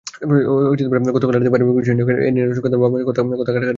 গতকাল রাতে পারিবারিক বিষয় নিয়ে এরিনার সঙ্গে তার বাবা-মায়ের কথা-কাটাকাটি হয়।